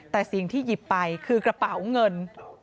แต่สิ่งที่หยิบไปคือกระเป๋าเงิน